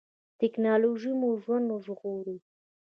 ټیکنالوژي مو ژوند ژغوري